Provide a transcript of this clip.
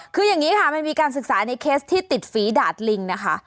คืออย่างนี้ค่ะมันมีการศึกษาในเคสที่ติดฝีดาดลิงนะคะ